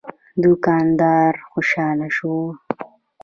دوکاندار خوشاله شوی و.